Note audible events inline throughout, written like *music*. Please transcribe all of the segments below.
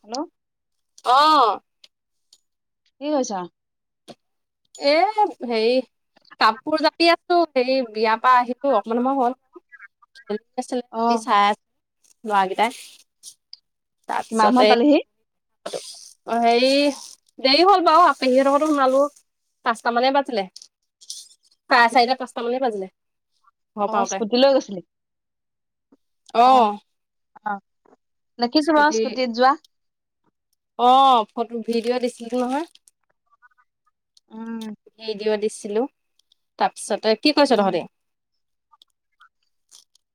Hello অ িক আৈছ এ সেই কাপোৰ জাপি আছো সেই বিয়া তপা আহিলো অকমান সময় হল খেল অহ, আছিলে চাই আ ব দে কি মমদ আলহি অ হেৰি দেৰি হল বাৰ আপহিহঁতকো সুনালো পাঁচটা মানে বাজিলে চাৰে চাৰিটা পাঁচটা মানে বাজিলে ঘৰ আহ পাওঁতে স্কুটি লৈ গৈছিলি আহ অ', - অ নখিছো ম স্কুটি স্কৃতি যোৱা অ ফটো ভিডিঅ' দিছিলো নহয়। উম, সেই দিও দিছে ত আচছ তই কি কৈছ উম তহ দে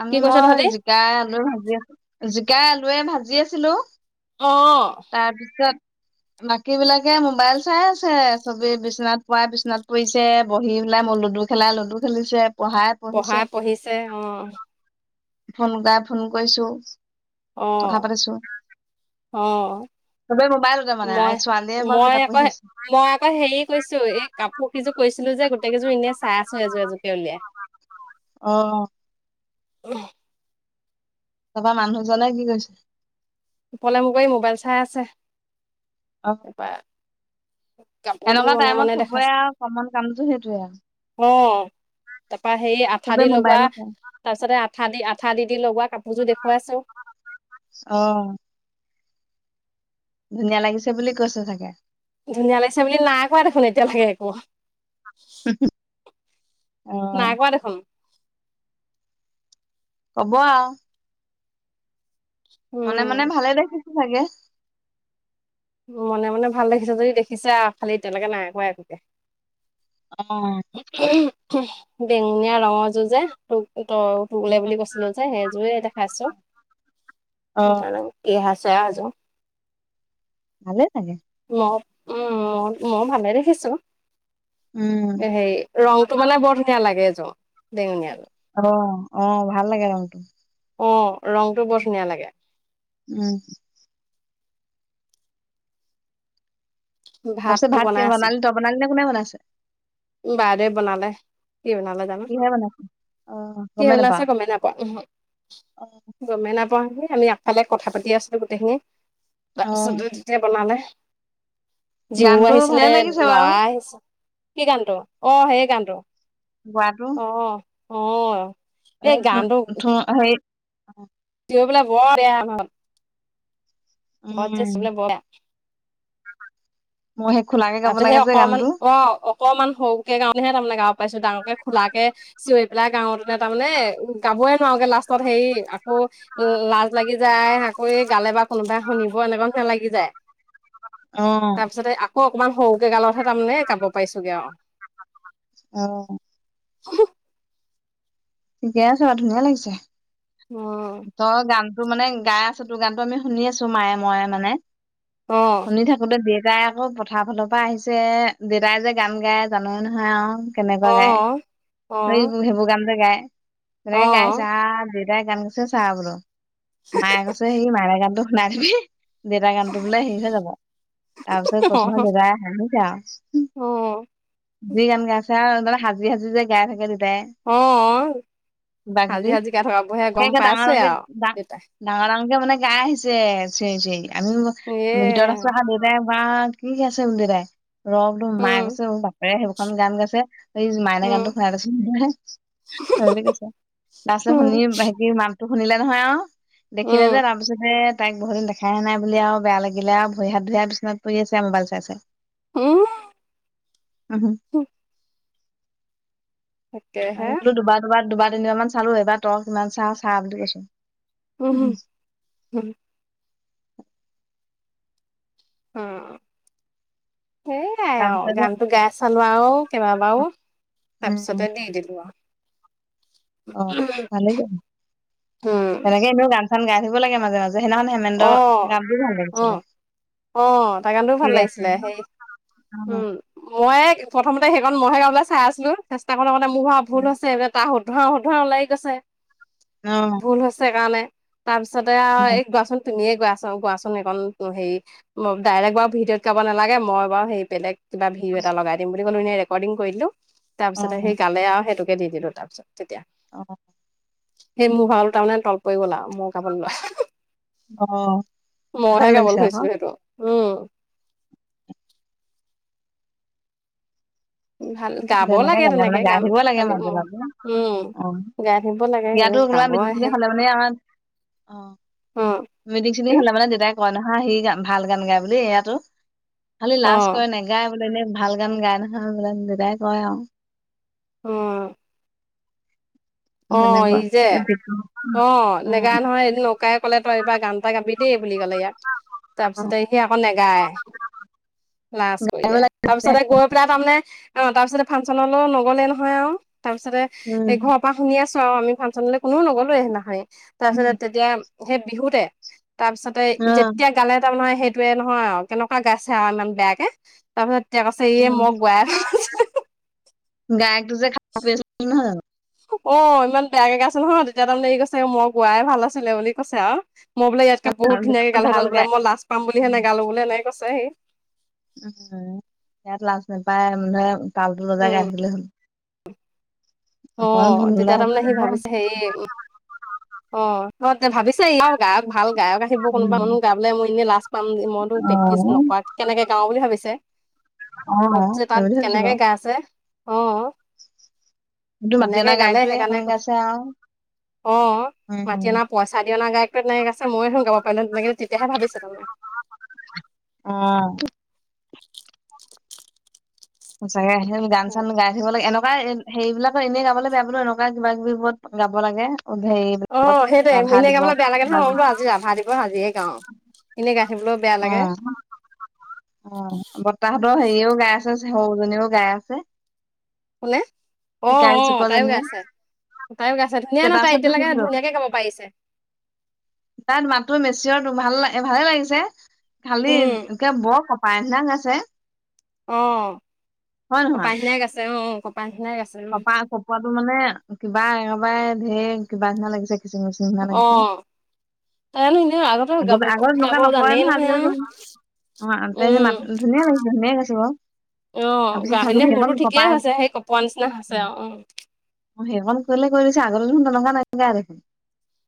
আমি কৈছ মই তহঁতি জিকাই আলু ভাজি আছো জ গাই আলুৱে ভাজি আছিলো অ তাৰপিছত বাকী বিলাকে মোবাইল চাই আছে চবি বিচনাত পোৱ বিচনাত পৰিছে বহি পেলাই মই লুডু খেলা লুডু খেলিছে পঢ়াই পঢ়িছে পঢ়াই পঢ়িছে অ ফোন গাই ফোন কৰিছো অ কথা পাতিছো অ চবে মোবাইলতে মানে মই ছোৱালীয়ে বাৰু মই কিতাপ আকৌ পঢ়ি আছে। মই আকৌ হেৰি কৈছো এই কাপোৰ কেইযোৰ কৈছিলো যে গ এইকেইদিন এনে আছো চাই আছো এজো এযোৰ কে উলিয়াই অ আহ তপৰা মানুহ জাই কি কৈছে পলে মোক কৰি মোবাইল চাই আছে অ এ প কাপোৰতটো এনেকুৱা মনে টাইমত মনে চবৰে দেখাইছে আৰু কমন কামটো সেইটোয়ে আৰু অ তাৰ পৰাা হেই আঠা চবে দি লগোৱা মোবাইলে চাই তাৰ পিছতে আঠা দি আ উা দি দি লগা কাপোৰযোৰ দেখুৱাইছ অ ধুনীয়া লাগিছে বুলি কৈছে চাগে ধুনীয়া লাগিছে বুলি নাই কোৱা দেখোন এতিয়া লাগে একো হ হ নাই কোৱা দেখোন কব আৰু মনেে মনে উম ভালে দেখি কি লাগে মনে মনে ভাল দেখিছে যদি দেখিছে খালি এতিয়ালৈকে নাই একা একোকে অ *inaudible* বেঙুনীয়া ৰঙৰ যুঁজে তোক তই ত বোলে উম বুলি কৈছিলো যে সেইযোয়ে দেখাইছো। অ ছেৰাজো। ভালে লাগে। উম মই ভালে দেখিছো। উম হেৰি ৰংটো মানে বৰ ধুনীয়া লাগে এযোৰ। বেঙুনীয়া আৰু। অ অ ভাল লাগে ৰংটো। অ ৰংটো বৰ ধুনীয়া লাগে। উম। তাৰপিছত ভাতটো বনাই ভাত আছো বনালি ত বনালি নে কোনে বনাইছে। বাইদেউ বনালে। কি বনালে জানো কিহে বনাইছে অ কি গমেই উনাইছে নাপাও গমেই নাপোৱা নহয় গমেই নাপাওঁ। আমি আগফালে কথা পাতি আছিলো গোটেইখিনি। অ তাৰপিছত দুই তেতিয়া বনালে। জীহু গানটো ভালে আহিছিলে লাগিছে বাৰু লৰা আহিছে। কি গানটো অ সেই গাণটো। বাৰাটো। অ। এই থ হাই। অ *unintelligible* চৈ পেলাই বৰ বেয়া হল। বত চুলে ব বেয়া। কাৰ কাৰণে। তাৰ পিছত সেই অকণমান অ অকমান সৰুকে গাওঁলে তাৰমানে গাঁও। পাইছো ডাঙৰকে খোলাকে চিঞৰি পেলাই গাঁৱ তোনে তাৰ মানে গাবই নোৱাৰগে লাষ্টত হেৰি আকৌ লাজ লাগি যায়। আকৌ গালে বা কোনোবাই শুনিব এনেকুৱা নালাগি যায়। অহ। তাৰ পিছতে আকৌ অকমান সৰুকে গালতেহে। যাম নে কাব পাইছোগে আও। অহ। হু। ঠিকে আছে বাৰু ধুনীয়া লাগিছে। অ তই গান। তোৰ মানে গাই আছো তোৰ গানতটো আমি শুনি আছো মায়ে মই মানে। অ শুনি থাকোতে দিয়ে। তাই আকৌ পথাৰ ফালৰ পৰা আহিছে। দেউতাই যে গান গায় জানোৱে নহয় আও। অ কেনেকুৱা গায়। অ সেই সেইবোৰ গানয়ে গায়। উ *unintelligible* অ তনেকে গাই আছে আও। যা গান দিছে চাহবোলো । মায়ে কৈছে সি মাৰা গানটো। নাছবি। দাদা গানটো বোলে শেষ হৈ যাব তাৰ পিছত কৈছোন ন দাদাই হাহিৰে আও। অ যি গান গে আছে আৰু সাজি সাজি যে। গাই থাকে। দেউতাই অ কিবা হাজি কিবি হাজিগাই থকা বোৰ গম পাইছোঁ আও আৰু দেউতাই। সেনেকে মানে গাই আহিছে আও চিঞৰি চিঞৰি। আমি এ ভিতৰত আছো দেউতাই। আও কি গাইছে তাই। ৰ তোৰ মা উম গৈছে বাপেৰে সেইবোৰখন গান গাইছে এই মায়নে গানটো। উম সি কৈছোছে শুনি উম হে মান। শুনিলে নহয় আও। দেখিলে যে উম তাৰ পাছতে হে। তাইক বহুদিন দেখাইে নাই বুলি আৰু বেয়া লাগিলে আৰু ভৰি হাত ভৰিৰ বিছনাত পৰি আছে মোবাইল চাই চাই। উ'ম। অহ হ। তাকেহে আৰে বোলো দুুবাৰ দুবাৰ। দুবাৰ তিনিবাৰ মান চালো এইবাৰ তই কিমান চা চা বুলি কৈছো। উম হু হো। উম। সেইয়াই আৰু তাৰপিছতে গানতটো গাই চালো আও কেইবাবাৰো উম তাৰপিছতে দি দিলো আও। অ ভালেই যান তেনেকে এনেও গান। গাই থাকিব লাগে মাজোজে। অহ অহ অহ তাৰ গানটোও ভাল ঠিক আছে লাগিছিলে হে উম মই প্ৰথম। ত সেইখনত মহহে গাববলৈ চাই আছিলো। তাক লগতে মোৰ হোৱা ভুল হৈছে এ তাহত। শুধাও শু ধা ও লাগি গৈছে। অ ভুল হৈছে কাৰণে। তাৰপিছতে আও অ এই গোৱাচুন শুনিয়ে গছ গোৱাচোন এন হেৰি ডাইৰেক্ট বাৰু ভিডিঅ'ত গাব নালাগে মই বাৰু সেই বেলেগ। কিবা ভিউ এটা লগাই দিম। ল ৰেকৰ্ডিং কৰিদিলো। তাৰপিছতে সেই গালে আৰু সেইটো। দি দিলো তাৰপিছত তেতিয়া। অহ। সেই মোৰ ভা তাৰমানে তল পৰি গ'ল আৰু মোৰ কাপোৰ লোৱা। অ ভাল মইহে গাবলৈ লাগিছে আক। ধৰিছিলো সেইটো উম। ভাল গাব তেনেকে লাগে গে মানে গাই গান থাকিব লাগে খালি মাজে ম মাজে উম অ গাই থাকিব লাগে ইয়াতো কোবা গাব মিটিং খিনি সেই হলে। মানে আমাৰ অ অ মিটিং খিনি কি হলে মানে দেউতাক। কয় নহা সি গান ভাল গান গায় বুলি এইয়াতো। খালি অ লাজ কৰে নেগায়। এনে ভাল গান গাই নহয়দেদায়। কয় আও। অহ। অ ই তেনেকুৱা যে অ উম নেগা নহয় নকায় ক'লে। তই এইবাৰ গান এটা গাবি দেই। বুলি কলে ইয়াক তাৰ অ পিছতে সি আকৌ নগায় লাজ কৰিলে। তাৰ পিছতে গৈ পেলাই তাৰমানে অ তাৰ পিছতে ফাংচনলৈ নগলে নহয় আৰু। তাৰপিছতে এঘৰ। শুনি আছো আৰু আমি ফাংনলৈ। কোননেও নগলোৱে নহয় উম তাৰপিছত তেতিয়া। সেই বিহুতে। তাৰ পিছতে অ যেতিয়া গালে তাৰ মানে। সেইটোয়ে নহয় আৰু কেনেকুৱা গাইছে আৰু ইমান বেয়াকে তাৰপিছত। এতিয়া কৈছে ই এ মই গোৱা ভাল। গাইয়ক। তু যে খা পৰি আছে নহয় জানো। অ ইমান বেয়া ক গ আছে নহয় তেতিয়া তাৰমানে এই কৈছে মই গোৱাই ভাল আছিলে বুলি কৈছে আও। মই বোলে ইয়ক বুত জানো ধুনাকৈ গালেতে ভাল বোলেই গায় লাজ পাম বুলিহে নেপালো বোলে মানে। কৈয়ছে হি। উ ইয়াত লাজ নাপায় মানুহে। তালতটো ৰজাগ গে উম, আহিলে হ'ল। অ অকমান ভুল হলে তেতিয়া হয়তো তাৰমানমানে সি যাব। ভাবিছে হে অ। ত ভাবিছ এই গায়ক ভাল। গায়ক আহিব কোনোবা উম মানুহ গাবলে মই এনেই লাষ্ট পাম মইতো অ প্ৰেক্টিচ নকৰাক কেনেকে গাওঁ বুলি ভাবিছে। অ তত যে সেই তাত বুলি ভাবিছো কেনেকে বাৰু গা আছে। অ। কিন্তু যেনেকে মাটিয়লা গালে গায়কটোৱে সেইখন সেইকাৰণে গাইছে আৰু অ উম মাতি অনা পইচা দি অনা গাই। নাই আ ময়েন গাব পাৰিলো হয়। তেতিয়াহে ভাবিছ মানে। অ *unintelligible* চাগে গান চান গাই থাকিব লাগে এনে। হেবিলাকৰ এনেই গাবলৈ বেয়া বোলো এনেকুৱা কিবা কিবি ত গাব লাগে। হেৰি অ সেইট ৰাভা ইনেই গা দিৱস মোলে বেয়া লাগে বা নহয় মই বোলো আজি ৰাভা দিৱস আজিয়ে গাও এনে গাই। থাকিবলৈও বেয়া অ লাগে অ বতাহঁতৰ হেৰিয়ও গাই আছে। হৌ জনীও গাই আছে। কোনে অ চিকাৰী অহ তাইও গ চুকজনীয়ে আছে তাইও গাইছে ধুনীয়া ন তাই ষ্টেটাছত এতিয়ালৈকে দেখিছিলো ধুনীয়াকে কব পাৰিছে। ছিয় তো ভাল লাগ ভালে লাগিছে। ফালিল উম নোকে বৰ খ। পাই নাং আছে। অ অ পায়িন গায় আছে অ। কপাহীনাই গাইছে চপা চপোৱাটো মানে। কিবা একেবাৰে ধেৰ কিবা নিচিনা লাগিছে। কিচিং মিচিং নিচিনা অ লাগিছে। তাইনো এনে আগতে গাব আগতে গাব তেনেকুৱা নকৰে জানেই নহয় আৰু আজিকালি অ' তাই উম মাত ধুনীয়া লাগিছে ধুনীয়া গাইছে বাৰু অহ তাৰপিছত খালি গাহী সুৰতো সেইকণ ঠিকেই কপাই হৈছে সেই কপোৱা নিচিনা। হৈছে আৰু উম। অ সেইকম কৰিলে ক। গাইছে, আগতে দেখোন তেনেকুৱা নাগাই দেখোন।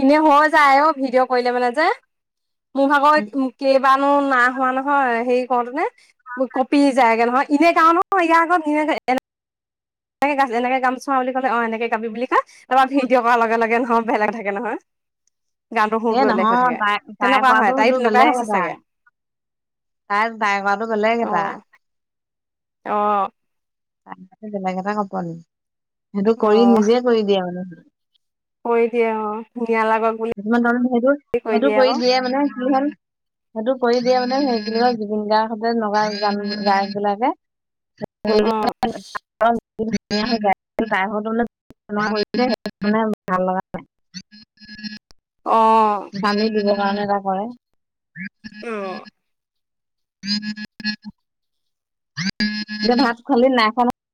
ইনেই হৈ যায় অ', ভিডিঅ' কৰিলে মানে যে। মোৰ ভাগৰ উম। কেইবানও নাই--। হোৱা নহয়, হেৰি কৰোঁতেনে। কপি যায়গে নহয়। ইনে গাওঁ নহয়, এতিয়া আকৌ নিজে এনেকে এ-গ-এনেকৈ গাম চোৱা বুলি ক'লে অ', এনেকে গাবি বুলি কয়। তাৰ পৰা ভিডিঅ' কৰা লগে লগে নঃ--। অ', বেলেগ ধাগ--। কে নহয়। এ হৈ নহয়, থাকে তাই-তাই তেনেকুৱা কোৱাটো হয় তাই সেইটো তেনেকুৱাই বেলেগ হৈছে এটা, চাগে তাই-তাই কোৱাটো বেলেগ অ এটা। অ'। তাই বেলেগ এটা কঁপনি। সেইটো অ কৰি নিজে কৰি দিয়ে মানে কৰি দিয়ে অ ধুনীয়া লাগক বুলি কিছুমান মানুহে সেইটো কৈ সেইটো কৰি আকৌ দিয়ে মানে, কি হ'ল সেইটো কৰি দিয়ে মানে, সেইখিনিৰ পৰা জুবিন গাৰ্গহঁতে নগা-গান গাইছিলে যে। অ *unintelligible* ধুনীয়া হৈ গৈ আছে তাই ভাগৰটো বোলে সেনেকোৱা কৰি দিলে সেইকাৰণে ভাল লগা নাই অ গালি দিব গান এটা কৰে উম *unintelligible* *unintelligible* এতিয়া ভাত খালি নেকি নাই খোৱা নহয়।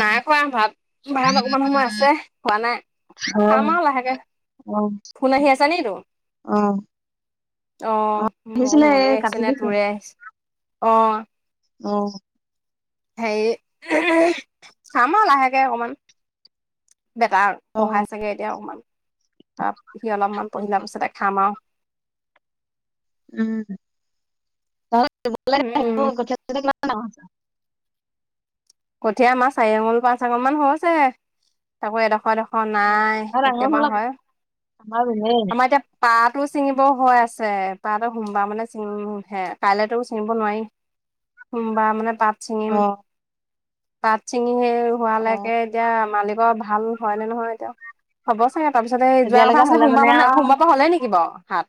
নাই খোৱা ভাত। ভাত অকমান সময় আছে, খোৱা নাই। অ খাম আৰু লাহেকে, ফোন আহি আছে নেকি তোৰ? অ'। অ', মই আহিছিলে মোৰে এই কাটি আহিছে নে দিছে তোৰে আহিছে অ' অ'। হেৰি, খাম আও লাহেকে অকমান। বেটাক অ পঢ়াইছেগে। এতিয়া অকমান। ভাত, সি অলপমান পঢ়ি লোৱা পিছতে খাম আৰু। উম অ ঘলে আহিব উম *unintelligible* দুদিনমান অ কঠীয়া আমাৰ চাৰি আঙুল পাঁচ আঙুল মান হৈছে তাকো এডোখৰ এডোখৰ অ নাই আমাৰ ডাঙৰ কেতিয়াবা হ'ল আকৌ হয় আমাৰ ৰুমেই আমাৰ এতিয়া পাত পাতো ছিঙিব হৈ আছে পাতো সোমবাৰ মানে চিঙিম হে কাইলেতো ছিঙিব নোৱাৰি সোমবাৰ মানে পাত অ চিঙিম পাত ছিঙি সেই অ হোৱালৈকে এতিয়া মালিকৰ ভাল ভাল হয় নে নহয় এতিয়া হব চাগে তাৰপিছতে এই যোৱা কথা তেতিয়ালৈকে আছিলে হ'লে সোমবাৰ মানে সোমবাৰ আৰু পৰা হলে নেকি বাও সাত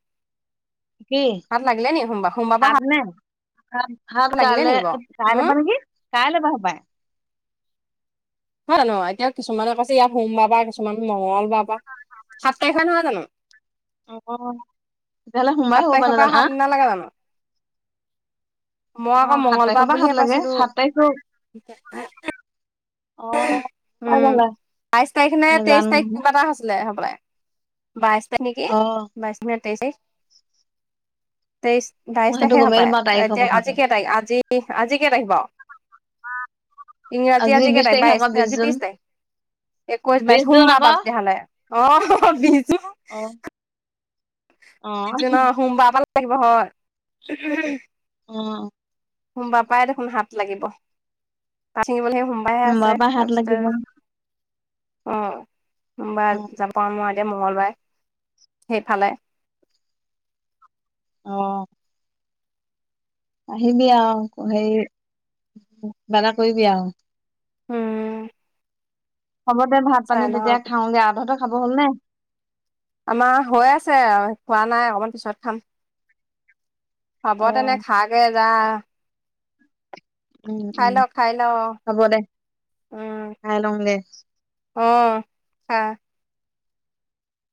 কি হাত লাগিলে নি সোমবা সোমব পা হাত। ভাত গালে গালে মানে কি? কাইলে হপায়ই। হয় নে নহয় এতিয়া কিছুমানে কৈছে ইয়াত সোমবাৰাৰ কিছুমান মঙগল। সাততাৰিখ নহয় জানো। অহ। তেতিয়া হ'লে সোমায় সাত আহিব তাৰিখৰ পাৰিলো হয় পৰা জানা। সাত নালাগে জানো মই আকৌ সাত মঙ্গলবাৰ তাৰিখৰ পৰা সাত বুলিহে লাগে পাইছিলো। সাত তাৰিখৰ অ পাই উম গ'লে বাইছ তাৰিখ নে তেইছ নাজানো তাৰিখ নহয় কিবা এটা আছিলে। হবলাই। বাইছ নেকি অ বাইছ মিনিট। তেছে। তেইছ বাইছ মই সেইটো তাৰিখে হ গমেই নাপাওঁ পায় তাৰিখৰ এতিয়া কথাটো আজি কেই তাৰিখ আজি আজি কেই তাৰিখ বাও ইংৰাজী আজি। আজি কেই বিশ তাৰিখ আকৌ বাইছ বিশ আজি জুন বিছ তাৰিখ একৈছ বিশ বাইছ জুন সোমবাৰ আকৌ পাৰ তেতিয়াহ'লে অহ অ বিছ। অ তিজ ন সোমবা পা দে লাগিব হয়। অ। সোনমবা পাই দেখোন হাত লাগিব পািঙিবলৈ আহি। সোমবাই হে আছে সোমবাৰৰ পৰা হাত তাৰপিছতে। লাগিব অ। সোমবা অ যাব মই। মঙ্গলবাৰে সেইফালে। অহ। আহিবি আও সেই কিবাএটা কৰিবি আও। উম হ'ব দে ভাত পানী চাই লওঁ তেতিয়া আৰু। খাওঁগে আধাতে খাব। হুব হ'ল নে। আমাৰ হৈ আছে খোৱা নাই অকমান পিছত খাম। খাব অ তেনে খাগে। যা। উম খাই উম ল খাই ল হ'ব দে উম খাই লওঁগে অ খা।